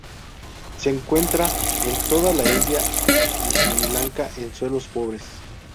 Se encuentra en toda la India y Sri Lanka en suelos pobres.